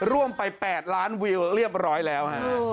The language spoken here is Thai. ร่วมไป๘ล้านวิวเรียบร้อยแล้วฮะ